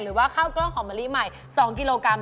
หรือว่าข้าวกล้องหอมมะลิใหม่๒กิโลกรัม